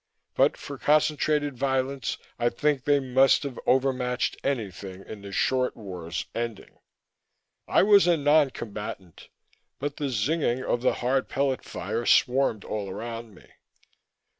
But for concentrated violence I think they must have overmatched anything in the Short War's ending. I was a non combatant; but the zinging of the hard pellet fire swarmed all around me.